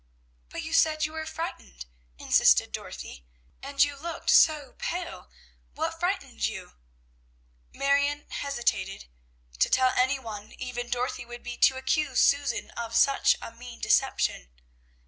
"But you said you were frightened," insisted Dorothy, "and you looked so pale; what frightened you?" Marion hesitated; to tell any one, even Dorothy, would be to accuse Susan of such a mean deception.